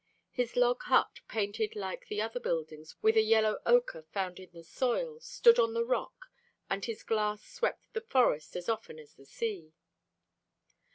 His log hut, painted like the other buildings with a yellow ochre found in the soil, stood on the rock, and his glass swept the forest as often as the sea.